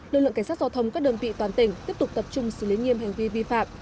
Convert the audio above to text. lực lượng cảnh sát giao thông các đơn vị toàn tỉnh tiếp tục tập trung xử lý nghiêm hành vi vi phạm